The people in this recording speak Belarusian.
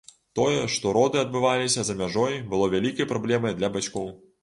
Тое, што роды адбываліся за мяжой, было вялікай праблемай для бацькоў.